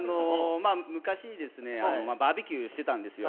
昔にバーベキューしてたんですよ。